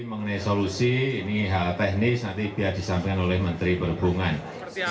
mengenai solusi ini hal teknis nanti biar disampaikan oleh menteri perhubungan